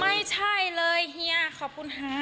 ไม่ใช่เลยเฮียขอบคุณฮะ